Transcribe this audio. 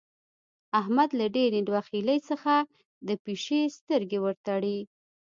احمد له ډېرې بخيلۍ څخه د پيشي سترګې ور تړي.